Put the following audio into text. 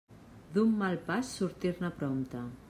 D'un mal pas, sortir-ne prompte.